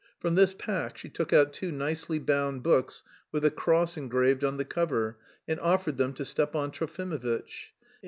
From this pack she took out two nicely bound books with a cross engraved on the cover, and offered them to Stepan Trofimovitch.